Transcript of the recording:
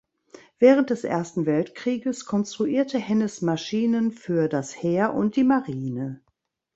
Während des Ersten Weltkrieges konstruierte Hennes Maschinen für das Heer und die Marine.